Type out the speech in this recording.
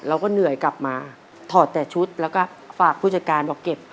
เราก็เหนื่อยกลับมาถอดแต่ชุดแล้วก็ฝากผู้จัดการบอกเก็บ